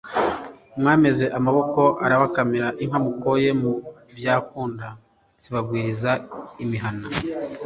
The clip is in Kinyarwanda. Mwameze amaboko arabakamira, Inka mukoye mu Byaguka*Zibagwiriza imihana.